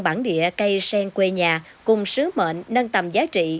bản địa cây sen quê nhà cùng sứ mệnh nâng tầm giá trị